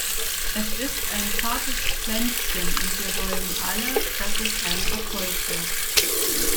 Es ist ein zartes Pflänzchen, und wir wollen alle, dass es ein Erfolg wird.